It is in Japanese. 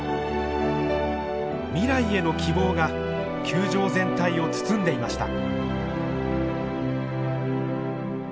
未来への希望が球場全体を包んでいました。